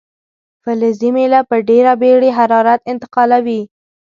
فلزي میله په ډیره بیړې حرارت انتقالوي.